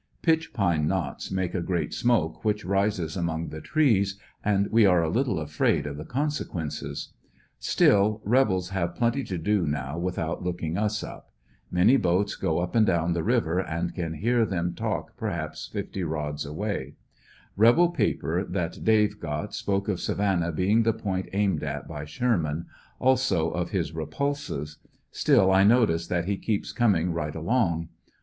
Pitch pine knots make a great smoke wiiich rises among the trees and we are a little afraid of the consequences ; still, rebels have plenty to do now without looking us up. Many boats go up and down the river and can hear them talk perhaps fifty rods FINAL ESCAPE. 153 away. Rebel paper that Dave got spoke of Savannah being the point aimed at by Sherman, also of his repulses ; still I notice that he keeps coming right along.